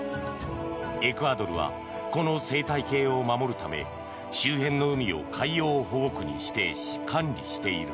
エクアドルはこの生態系を守るため周辺の海を海洋保護区に指定し管理している。